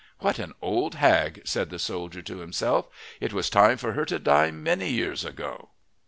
"What an old hag," said the soldier to himself. "It was time for her to die a many years ago."